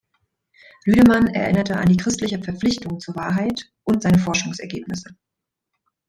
Lüdemann erinnerte an die christliche Verpflichtung zur Wahrheit und seine Forschungsergebnisse.